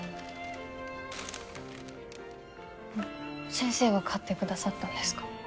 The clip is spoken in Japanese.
先生が買ってくださったんですか？